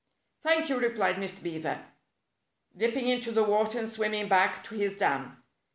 "Thank you!" replied Mr. Beaver, dipping into the water and swimming back to his dam.